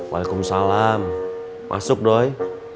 wa'alaikumsalam masuk doi